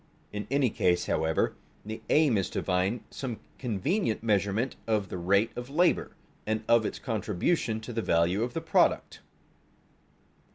In any case, however, the aim is to find some convenient measurement of the rate of labor, and of its contribution to the value of the product.